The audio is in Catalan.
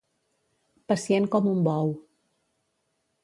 Pacient com un bou.